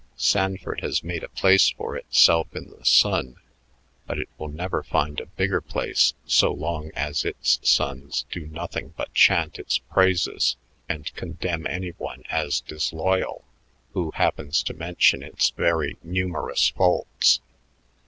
Sanford has made a place for itself in the sun, but it will never find a bigger place so long as its sons do nothing but chant its praises and condemn any one as disloyal who happens to mention its very numerous faults.